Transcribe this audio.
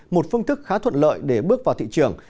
một phương thức khá thuận lợi để bước vào thị trường